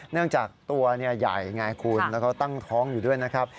เนื่องจากตัวใหญ่ไงคุณแล้วเขาตั้งท้องอยู่ด้วยนะครับ